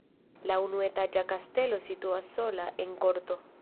La unuetaĝa kastelo situas sola en korto.